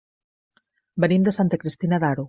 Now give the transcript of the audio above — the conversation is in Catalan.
Venim de Santa Cristina d'Aro.